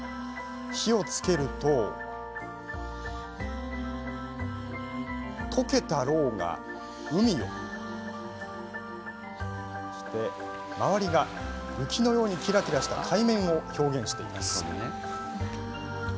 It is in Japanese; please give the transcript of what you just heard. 火をつけると溶けたろうが海を周りが雪のようにキラキラした海面を表現しています。